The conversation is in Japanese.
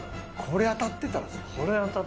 これ当たってたらすごい。